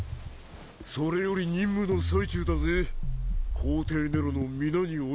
それより任務の最中だぜ皇帝ネロの御名においてな。